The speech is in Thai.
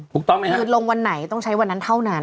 ถูกต้องไหมครับคือลงวันไหนต้องใช้วันนั้นเท่านั้น